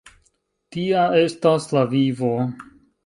Tia estas la vivo!